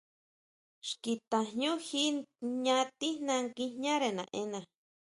Xki tajñú ji jña tijna nguijñare naʼena.